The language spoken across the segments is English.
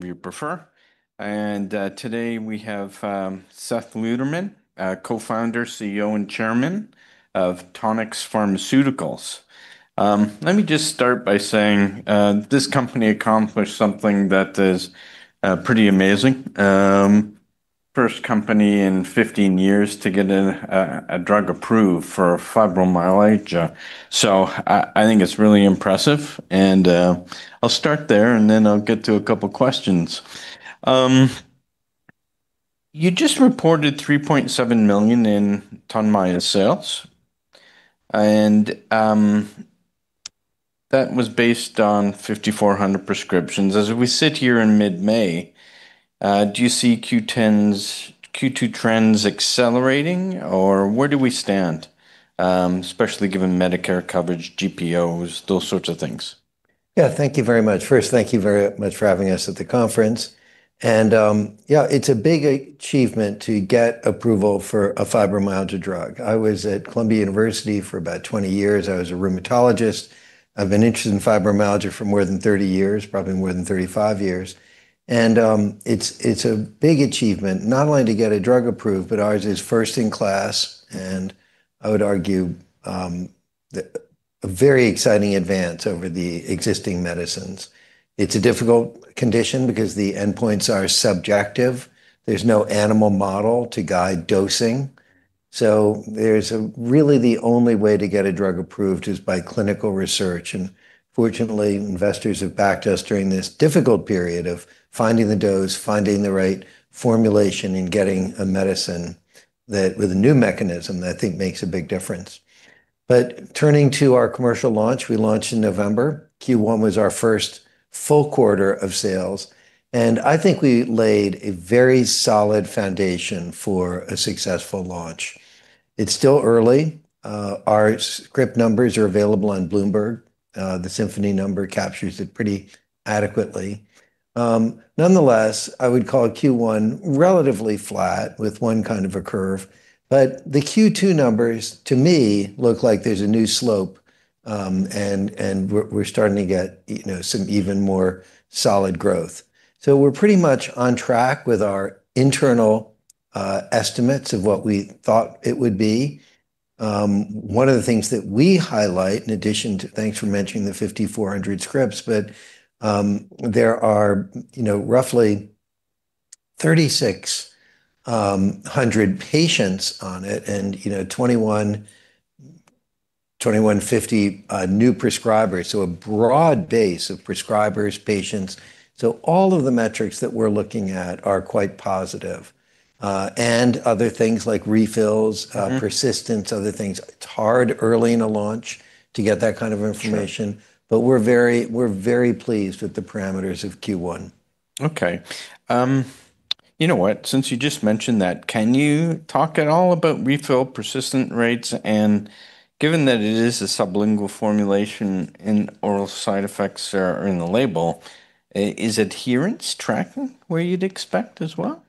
You prefer. Today we have Seth Lederman, Co-Founder, CEO, and Chairman of Tonix Pharmaceuticals. Let me just start by saying this company accomplished something that is pretty amazing. First company in 15 years to get a drug approved for fibromyalgia, so I think it's really impressive. I'll start there, and then I'll get to a couple questions. You just reported $3.7 million in TONMYA sales, and that was based on 5,400 prescriptions. As we sit here in mid-May, do you see Q1 trends, Q2 trends accelerating, or where do we stand, especially given Medicare coverage, GPOs, those sorts of things? Thank you very much. First, thank you very much for having us at the conference. It's a big achievement to get approval for a fibromyalgia drug. I was at Columbia University for about 20 years. I was a rheumatologist. I've been interested in fibromyalgia for more than 30 years, probably more than 35 years. It's a big achievement not only to get a drug approved, but ours is first in class, and I would argue a very exciting advance over the existing medicines. It's a difficult condition because the endpoints are subjective. There's no animal model to guide dosing, the only way to get a drug approved is by clinical research, and fortunately investors have backed us during this difficult period of finding the dose, finding the right formulation, and getting a medicine that, with a new mechanism that I think makes a big difference. Turning to our commercial launch, we launched in November. Q1 was our first full quarter of sales, and I think we laid a very solid foundation for a successful launch. It's still early. Our script numbers are available on Bloomberg. The Symphony number captures it pretty adequately. Nonetheless, I would call Q1 relatively flat with one kind of a curve, the Q2 numbers to me look like there's a new slope, and we're starting to get, you know, some even more solid growth. We're pretty much on track with our internal estimates of what we thought it would be. One of the things that we highlight in addition to Thanks for mentioning the 5,400 scripts, there are, you know, roughly 3,600 patients on it and, you know, 2,150 new prescribers, a broad base of prescribers, patients. All of the metrics that we're looking at are quite positive. Other things like refills. Persistence, other things. It's hard early in a launch to get that kind of information. Sure. We're very pleased with the parameters of Q1. Okay. You know what? Since you just mentioned that, can you talk at all about refill persistent rates? Given that it is a sublingual formulation and oral side effects are in the label, is adherence tracking where you'd expect as well?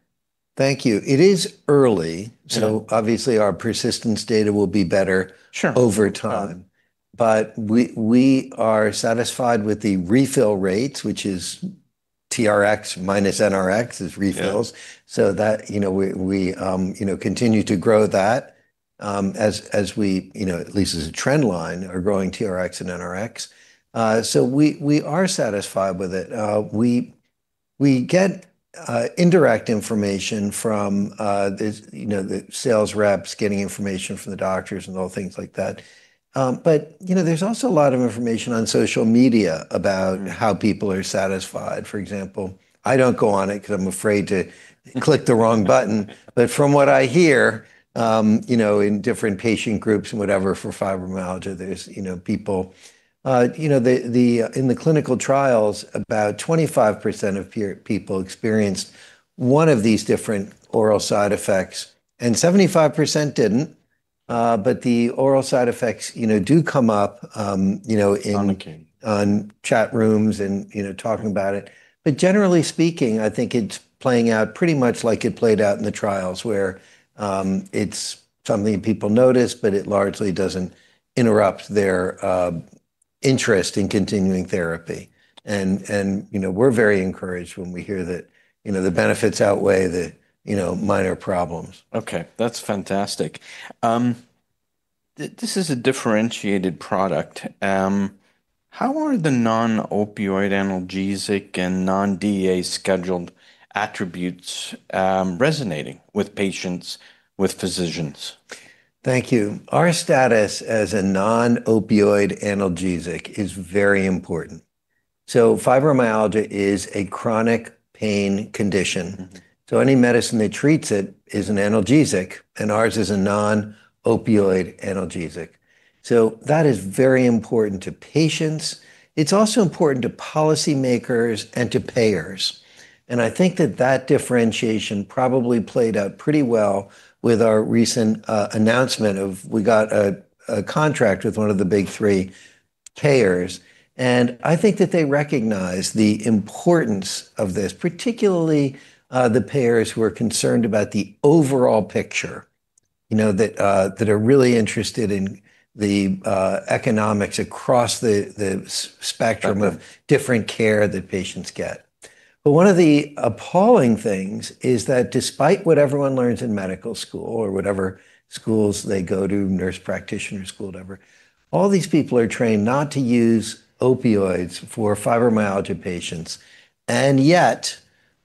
Thank you. Yeah Obviously our persistence data will be better. Sure over time. We are satisfied with the refill rates, which is TRX minus NRX is refills. Yeah. That, you know, we, you know, continue to grow that, as we, you know, at least as a trend line are growing TRX and NRX. We are satisfied with it. We get indirect information from the, you know, the sales reps getting information from the doctors and all things like that. You know, there's also a lot of information on social media about. How people are satisfied, for example. I don't go on it 'cause I'm afraid to click the wrong button. From what I hear, you know, in different patient groups and whatever for fibromyalgia, there's, you know, people. You know, in the clinical trials, about 25% of people experienced one of these different oral side effects, and 75% didn't. The oral side effects, you know, do come up, you know. [tonmiken] On chat rooms and, you know, talking about it. Generally speaking, I think it's playing out pretty much like it played out in the trials where it's something people notice, but it largely doesn't interrupt their interest in continuing therapy. You know, we're very encouraged when we hear that, you know, the benefits outweigh the, you know, minor problems. Okay. That's fantastic. This is a differentiated product. How are the non-opioid analgesic and non-DEA scheduled attributes, resonating with patients, with physicians? Thank you. Our status as a non-opioid analgesic is very important. Fibromyalgia is a chronic pain condition. Any medicine that treats it is an analgesic, and ours is a non-opioid analgesic. That is very important to patients. It's also important to policymakers and to payers. I think that that differentiation probably played out pretty well with our recent announcement of we got a contract with one of the big three payers. I think that they recognize the importance of this, particularly the payers who are concerned about the overall picture. You know, that are really interested in the economics across the spectrum. Right Of different care that patients get. One of the appalling things is that despite what everyone learns in medical school or whatever schools they go to, nurse practitioner school, whatever, all these people are trained not to use opioids for fibromyalgia patients. Yet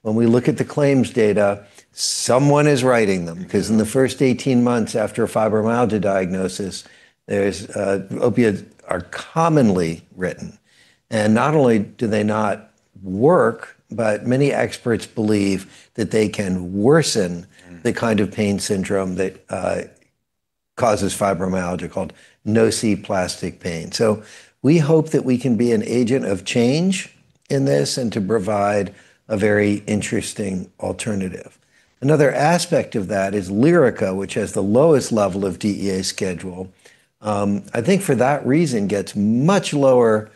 when we look at the claims data, someone is writing them. In the first 18 months after a fibromyalgia diagnosis, there's opioids are commonly written, and not only do they not work, but many experts believe that they can worsen. the kind of pain syndrome that causes fibromyalgia called nociplastic pain. We hope that we can be an agent of change in this and to provide a very interesting alternative. Another aspect of that is LYRICA, which has the lowest level of DEA schedule. I think for that reason gets much lower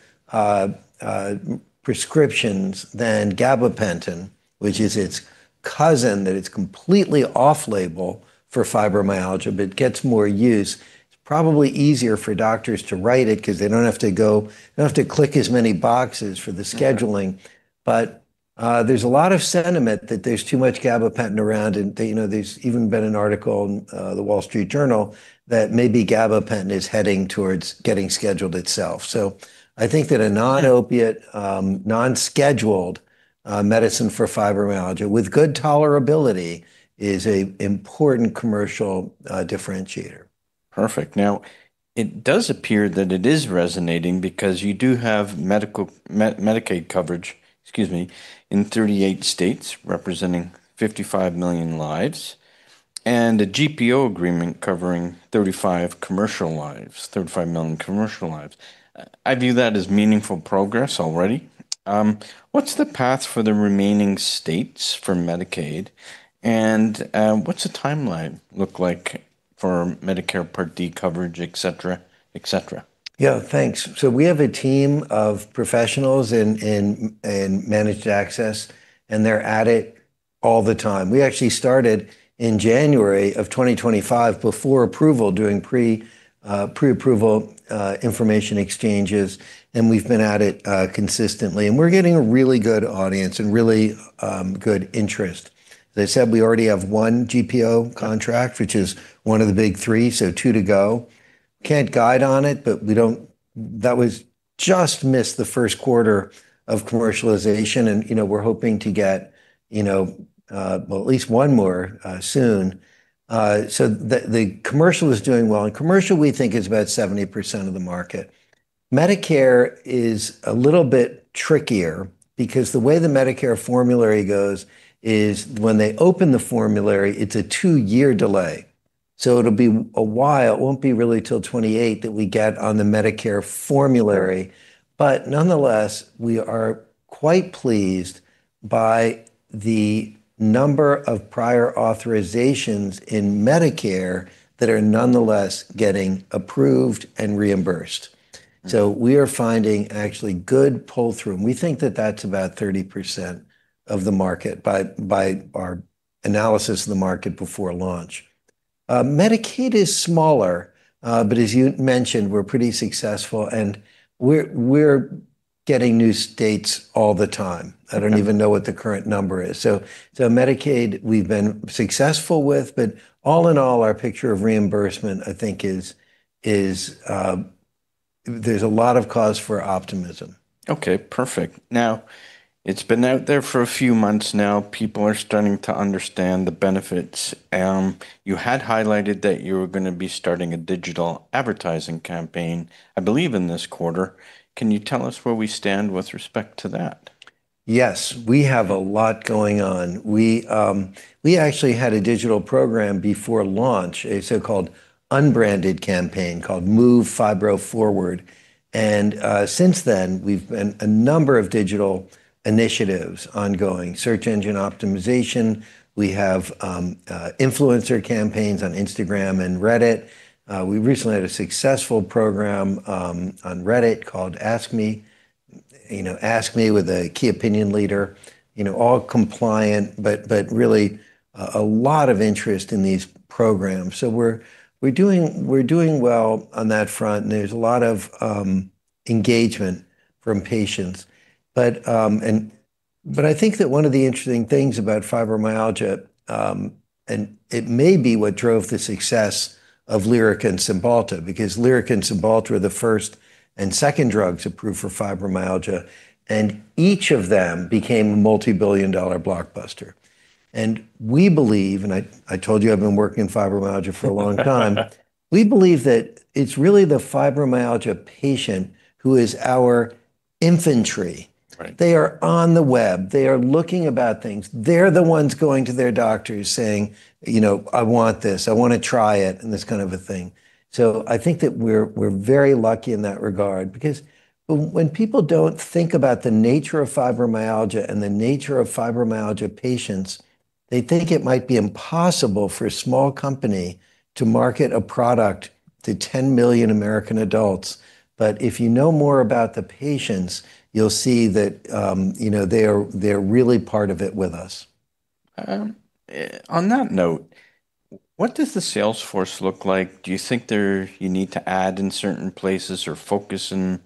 prescriptions than gabapentin, which is its cousin, that it's completely off-label for fibromyalgia, but it gets more use. It's probably easier for doctors to write it 'cause they don't have to click as many boxes for the scheduling. Yeah. There's a lot of sentiment that there's too much gabapentin around and they, you know, there's even been an article in The Wall Street Journal that maybe gabapentin is heading towards getting scheduled itself. I think that a non-opiate, non-scheduled, medicine for fibromyalgia with good tolerability is a important commercial, differentiator. Perfect. It does appear that it is resonating because you do have medical, Medicaid coverage, excuse me, in 38 states representing 55 million lives, and a GPO agreement covering 35 commercial lives, 35 million commercial lives. I view that as meaningful progress already. What's the path for the remaining states for Medicaid, and what's the timeline look like for Medicare Part D coverage, et cetera, et cetera? Yeah, thanks. We have a team of professionals in managed access, and they're at it all the time. We actually started in January of 2025 before approval, doing pre-approval information exchanges, and we've been at it consistently, and we're getting a really good audience and really good interest. As I said, we already have one GPO contract, which is one of the big three, two to go. Can't guide on it, that was just missed the first quarter of commercialization and, you know, we're hoping to get, you know, well, at least one more soon. The commercial is doing well, and commercial we think is about 70% of the market. Medicare is a little bit trickier because the way the Medicare formulary goes is when they open the formulary, it's a two year delay. It'll be a while. It won't be really till 2028 that we get on the Medicare formulary. Nonetheless, we are quite pleased by the number of prior authorizations in Medicare that are nonetheless getting approved and reimbursed. We are finding actually good pull-through, and we think that that's about 30% of the market by our analysis of the market before launch. Medicaid is smaller, but as you mentioned, we're pretty successful and we're getting new states all the time. Yeah. I don't even know what the current number is. Medicaid, we've been successful with, but all in all, our picture of reimbursement, I think, is a lot of cause for optimism. Okay. Perfect. It's been out there for a few months now. People are starting to understand the benefits. You had highlighted that you were gonna be starting a digital advertising campaign, I believe, in this quarter. Can you tell us where we stand with respect to that? Yes. We have a lot going on. We actually had a digital program before launch, a so-called unbranded campaign called Move Fibro Forward. Since then we've a number of digital initiatives ongoing, search engine optimization. We have influencer campaigns on Instagram and Reddit. We recently had a successful program on Reddit called Ask Me, you know, with a key opinion leader. You know, all compliant, but really a lot of interest in these programs. We're doing well on that front and there's a lot of engagement from patients. I think that one of the interesting things about fibromyalgia, and it may be what drove the success of LYRICA and Cymbalta because LYRICA and Cymbalta are the first and second drugs approved for fibromyalgia, and each of them became a multibillion-dollar blockbuster. We believe, I told you I've been working in fibromyalgia for a long time. We believe that it's really the fibromyalgia patient who is our infantry. Right. They are on the web. They are looking about things. They're the ones going to their doctors saying, you know, "I want this. I wanna try it," and this kind of a thing. I think that we're very lucky in that regard because when people don't think about the nature of fibromyalgia and the nature of fibromyalgia patients, they think it might be impossible for a small company to market a product to 10 million American adults. If you know more about the patients, you'll see that, you know, they're really part of it with us. On that note, what does the sales force look like? Do you think You need to add in certain places or focus in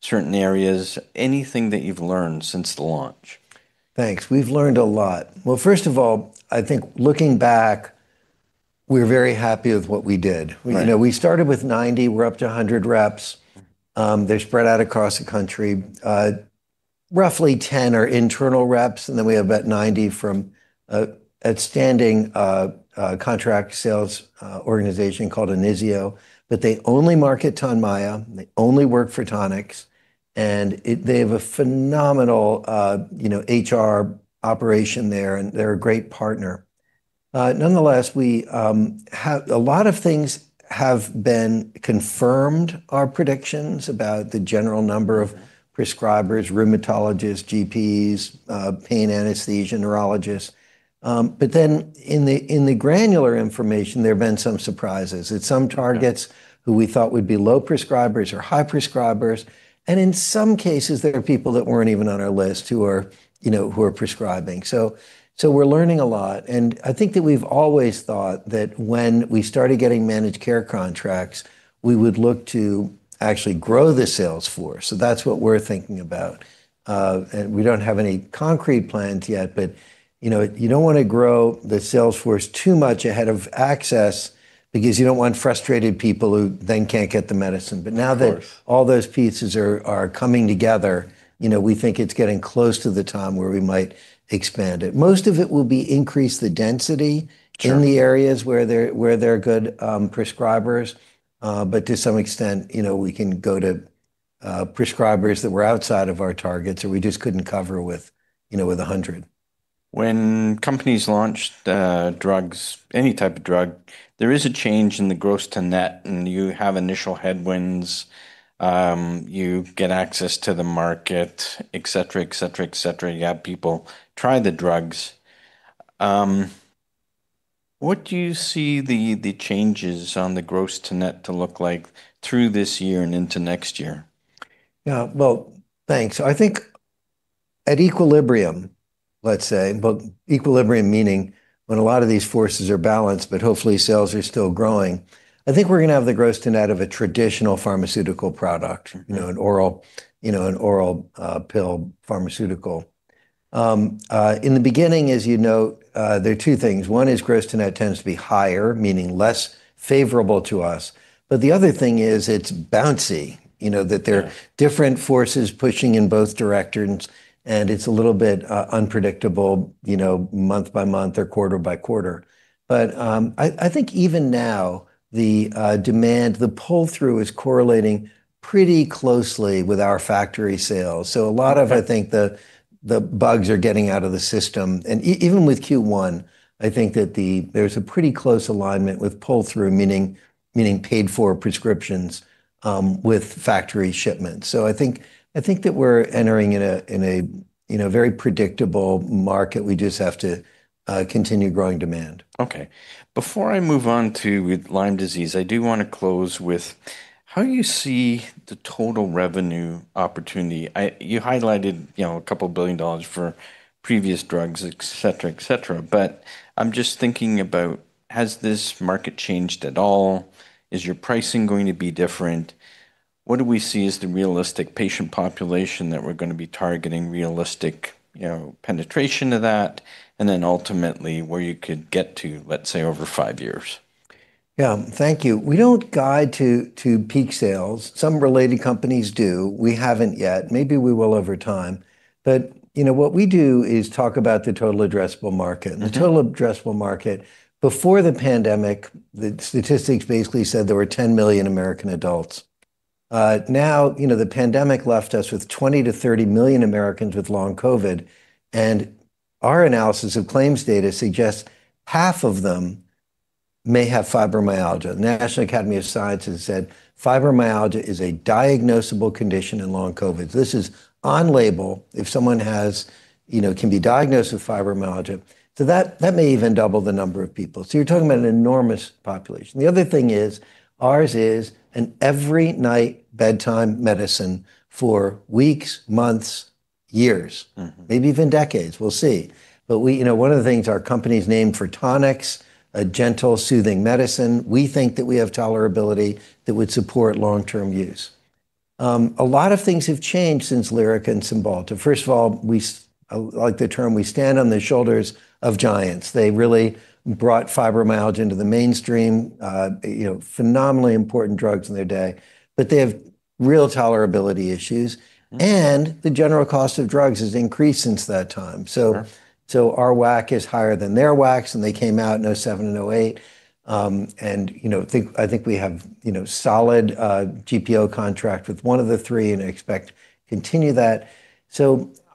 certain areas? Anything that you've learned since the launch? Thanks. We've learned a lot. First of all, I think looking back, we're very happy with what we did. Right. You know, we started with 90, we're up to 100 reps. They're spread out across the country. Roughly 10 are internal reps, and then we have about 90 from a outstanding contract sales organization called Inizio, but they only market TONMYA, they only work for Tonix. They have a phenomenal, you know, HR operation there, and they're a great partner. Nonetheless, A lot of things have been confirmed our predictions about the general number of prescribers, rheumatologists, GPs, pain anesthesia, neurologists. In the granular information, there have been some surprises, that some targets. Yeah who we thought would be low prescribers or high prescribers, and in some cases, there are people that weren't even on our list who are, you know, who are prescribing. We're learning a lot, and I think that we've always thought that when we started getting managed care contracts, we would look to actually grow the sales force. That's what we're thinking about. We don't have any concrete plans yet, but, you know, you don't wanna grow the sales force too much ahead of access because you don't want frustrated people who then can't get the medicine. Now that- Of course. All those pieces are coming together, you know, we think it's getting close to the time where we might expand it. Most of it will be increase the density. Sure In the areas where there are good prescribers. To some extent, you know, we can go to prescribers that were outside of our targets or we just couldn't cover with, you know, with 100. When companies launch the drugs, any type of drug, there is a change in the gross to net, and you have initial headwinds, you get access to the market, et cetera, et cetera, et cetera. You have people try the drugs. What do you see the changes on the gross to net to look like through this year and into next year? Yeah. Well, thanks. I think at equilibrium, let's say, but equilibrium meaning when a lot of these forces are balanced, but hopefully sales are still growing. I think we're gonna have the gross to net of a traditional pharmaceutical product. You know, an oral, you know, an oral pill pharmaceutical. In the beginning, as you know, there are two things. One is gross to net tends to be higher, meaning less favorable to us. The other thing is it's bouncy, you know. Yeah Different forces pushing in both directions, it's a little bit unpredictable, you know, month by month or quarter by quarter. I think even now, the demand, the pull-through is correlating pretty closely with our factory sales. A lot of, I think, the bugs are getting out of the system. Even with Q1, I think that there's a pretty close alignment with pull through, meaning paid for prescriptions, with factory shipments. I think that we're entering in a, you know, very predictable market. We just have to continue growing demand. Okay. Before I move on to with Lyme disease, I do wanna close with how you see the total revenue opportunity. You highlighted, you know, a couple billion dollars for previous drugs, et cetera, et cetera. I'm just thinking about has this market changed at all? Is your pricing going to be different? What do we see as the realistic patient population that we're gonna be targeting, realistic, you know, penetration of that, and then ultimately, where you could get to, let's say, over five years? Yeah. Thank you. We don't guide to peak sales. Some related companies do. We haven't yet. Maybe we will over time. You know, what we do is talk about the total addressable market. The total addressable market, before the pandemic, the statistics basically said there were 10 million American adults. Now, you know, the pandemic left us with 20 million-30 million Americans with long COVID, and our analysis of claims data suggests half of them may have fibromyalgia. National Academy of Sciences said fibromyalgia is a diagnosable condition in long COVID. This is on label if someone has, you know, can be diagnosed with fibromyalgia. That, that may even double the number of people, so you're talking about an enormous population. The other thing is, ours is an every night bedtime medicine for weeks, months, years. Maybe even decades. We'll see. You know, one of the things our company's named for Tonix, a gentle, soothing medicine. We think that we have tolerability that would support long-term use. A lot of things have changed since LYRICA and Cymbalta. First of all, we like the term we stand on the shoulders of giants. They really brought fibromyalgia into the mainstream, you know, phenomenally important drugs in their day, but they have real tolerability issues. The general cost of drugs has increased since that time. Sure. Our WAC is higher than their WACs. They came out in 2007 and 2008. I think we have, you know, solid GPO contract with one of the three, and I expect continue that.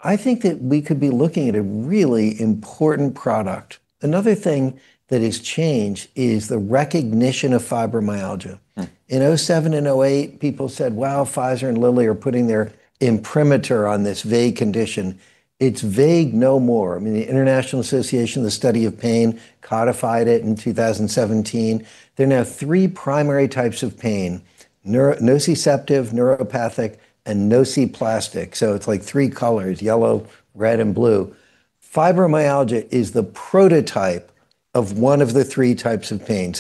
I think that we could be looking at a really important product. Another thing that has changed is the recognition of fibromyalgia. In 2007 and 2008, people said, "Wow, Pfizer and Lilly are putting their imprimatur on this vague condition." It's vague no more. I mean, the International Association for the Study of Pain codified it in 2017. There are now three primary types of pain. Nociceptive, neuropathic, and nociplastic. It's like three colors, yellow, red, and blue. Fibromyalgia is the prototype of one of the three types of pain.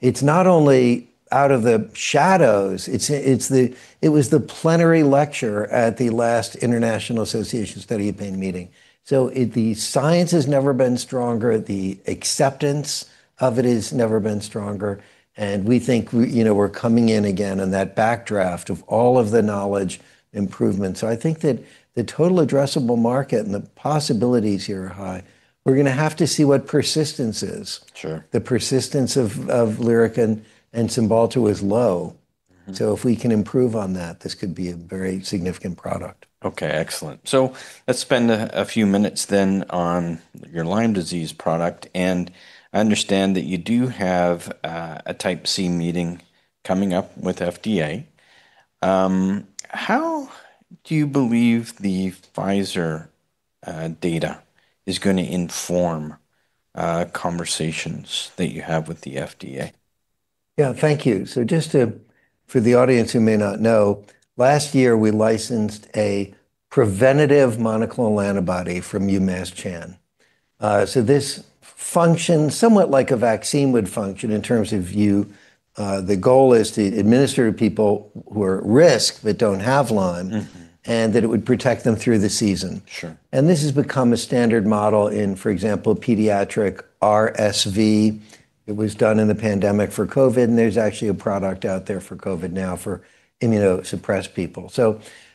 It's not only out of the shadows, it's the It was the plenary lecture at the last International Association Study of Pain meeting. The science has never been stronger. The acceptance of it has never been stronger, and we think, you know, we're coming in again on that backdraft of all of the knowledge improvements. I think that the total addressable market and the possibilities here are high. We're gonna have to see what persistence is. Sure. The persistence of LYRICA and Cymbalta was low. If we can improve on that, this could be a very significant product. Okay. Excellent. Let's spend a few minutes then on your Lyme disease product. I understand that you do have a Type C meeting coming up with FDA. How do you believe the Pfizer data is gonna inform conversations that you have with the FDA? Yeah. Thank you. For the audience who may not know, last year we licensed a preventative monoclonal antibody from UMass Chan. This functions somewhat like a vaccine would function in terms of you. The goal is to administer to people who are at risk but don't have Lyme disease. That it would protect them through the season. Sure. This has become a standard model in, for example, pediatric RSV. It was done in the pandemic for COVID, and there's actually a product out there for COVID now for immunosuppressed people.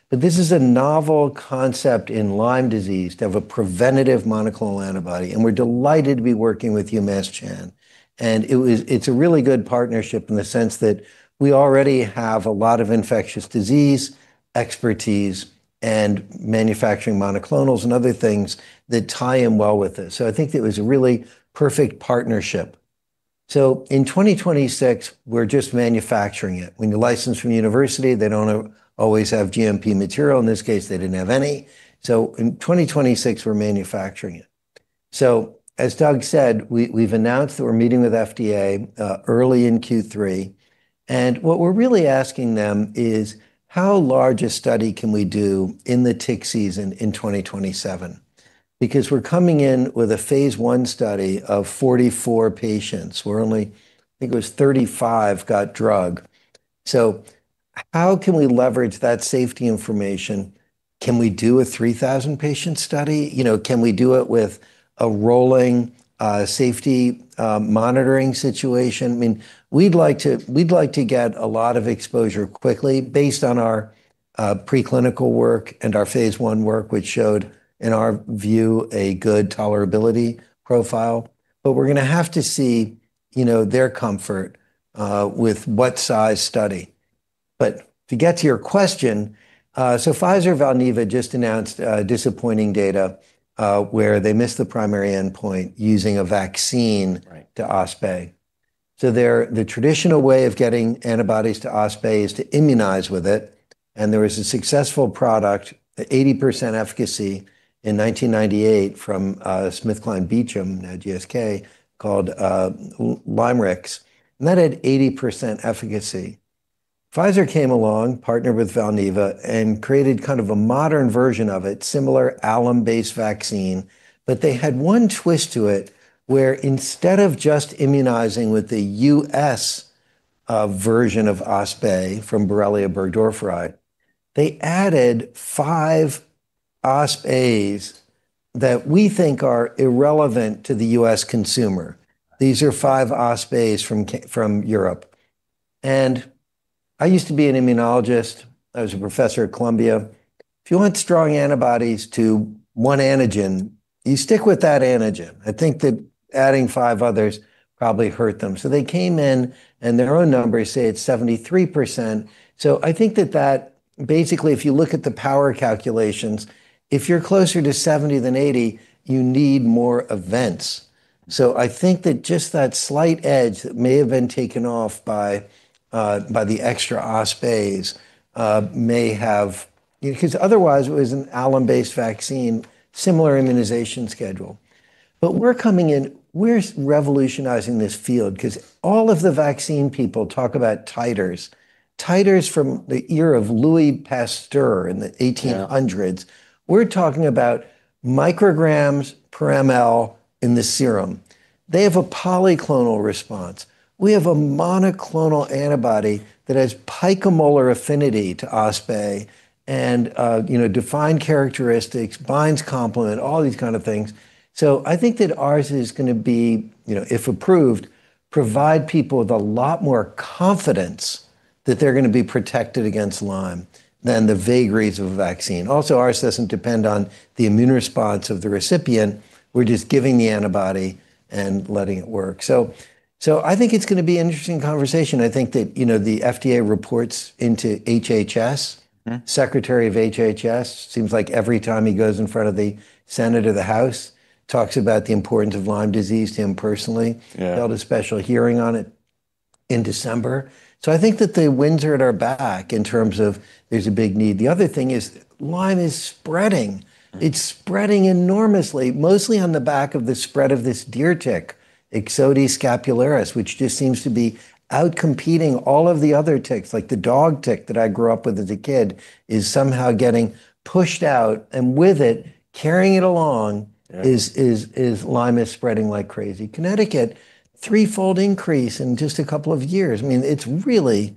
This is a novel concept in Lyme disease to have a preventative monoclonal antibody, and we're delighted to be working with UMass Chan. It's a really good partnership in the sense that we already have a lot of infectious disease expertise and manufacturing monoclonals and other things that tie in well with this. I think it was a really perfect partnership. In 2026, we're just manufacturing it. When you license from university, they don't always have GMP material. In this case, they didn't have any. In 2026, we're manufacturing it. As Doug said, we've announced that we're meeting with FDA early in Q3. What we're really asking them is, how large a study can we do in the tick season in 2027? Because we're coming in with a phase I study of 44 patients. I think it was 35 got drug. How can we leverage that safety information? Can we do a 3,000 patient study? You know, can we do it with a rolling safety monitoring situation? I mean, we'd like to get a lot of exposure quickly based on our preclinical work and our phase I work, which showed, in our view, a good tolerability profile. We're gonna have to see, you know, their comfort with what size study. To get to your question, Pfizer-Valneva just announced disappointing data, where they missed the primary endpoint using a vaccine- Right The traditional way of getting antibodies to OspA is to immunize with it, and there was a successful product, at 80% efficacy, in 1998 from SmithKline Beecham, now GSK, called LYMErix, and that had 80% efficacy. Pfizer came along, partnered with Valneva, and created kind of a modern version of it, similar alum-based vaccine. They had one twist to it, where instead of just immunizing with the U.S. version of OspA from Borrelia burgdorferi, they added five OspAs that we think are irrelevant to the U.S. consumer. These are five OspAs from Europe. I used to be an immunologist. I was a professor at Columbia University. If you want strong antibodies to one antigen, you stick with that antigen. I think that adding five others probably hurt them. They came in, and their own numbers say it's 73%. Basically, if you look at the power calculations, if you're closer to 70 than 80, you need more events. I think that just that slight edge that may have been taken off by the extra OspAs, you know, 'cause otherwise it was an alum-based vaccine, similar immunization schedule. We're coming in. We're revolutionizing this field, 'cause all of the vaccine people talk about titers. Titers from the era of Louis Pasteur in the 1800s. Yeah. We're talking about micrograms per ML in the serum. They have a polyclonal response. We have a monoclonal antibody that has picomolar affinity to OspA and, you know, defined characteristics, binds complement, all these kind of things. I think that ours is gonna be, you know, if approved, provide people with a lot more confidence that they're gonna be protected against Lyme than the vague rates of a vaccine. Also, ours doesn't depend on the immune response of the recipient. We're just giving the antibody and letting it work. I think it's gonna be an interesting conversation. I think that, you know, the FDA reports into HHS. Secretary of HHS, seems like every time he goes in front of the Senate or the House, talks about the importance of Lyme disease to him personally. Yeah. Held a special hearing on it in December. I think that the winds are at our back in terms of there's a big need. The other thing is Lyme is spreading. It's spreading enormously, mostly on the back of the spread of this deer tick, Ixodes scapularis, which just seems to be out-competing all of the other ticks. Like the dog tick that I grew up with as a kid is somehow getting pushed out, and with it, carrying it along. Yeah Lyme is spreading like crazy. Connecticut, threefold increase in just a couple of years. I mean, it's really.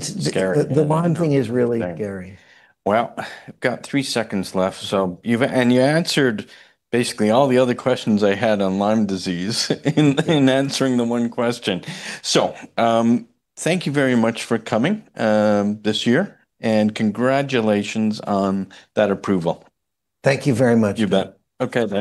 Scary The Lyme thing is really scary. Well, I've got three seconds left, so you answered basically all the other questions I had on Lyme disease in answering the one question. Thank you very much for coming, this year, and congratulations on that approval. Thank you very much. You bet. Okay then.